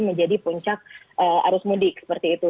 menjadi puncak arus mudik seperti itu